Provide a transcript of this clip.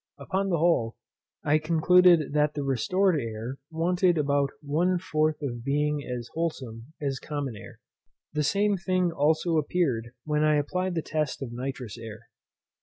Upon the whole, I concluded that the restored air wanted about one fourth of being as wholesome as common air. The same thing also appeared when I applied the test of nitrous air.